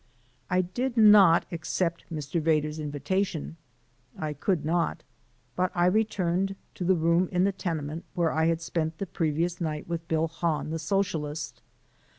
I did not accept Mr. Vedder's invitation: I could not; but I returned to the room in the tenement where I had spent the previous night with Bill Hahn the Socialist.